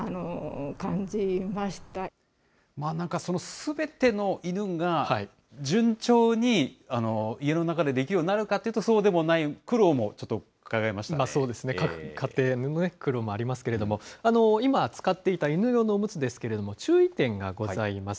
すべての犬が、順調に家の中でできるようになるかというと、そうでもない、各家庭の苦労もありますけれども、今、使っていた犬用のおむつですけれども、注意点がございます。